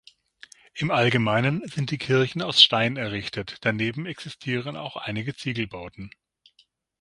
Im Allgemeinen sind die Kirchen aus Stein errichtet, daneben existieren auch einige Ziegelbauten.